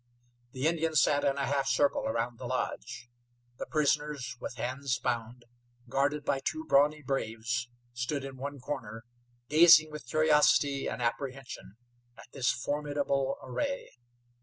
The Indians sat in a half circle around the lodge. The prisoners, with hands bound, guarded by two brawny braves, stood in one corner gazing with curiosity and apprehension at this formidable array.